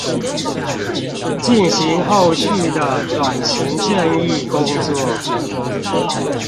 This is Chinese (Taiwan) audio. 進行後續的轉型正義工作